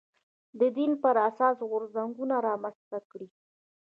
د دین پر اساس غورځنګونه رامنځته کړي